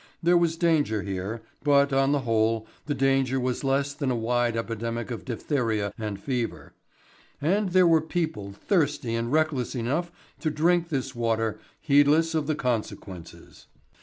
There was danger here, but, on the whole, the danger was less than a wide epidemic of diphtheria and fever. And there were people thirsty and reckless enough to drink this water heedless of the consequences.